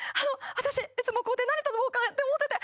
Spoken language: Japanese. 私いつもここで何頼もうかなって思ってて。